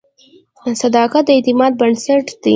• صداقت د اعتماد بنسټ دی.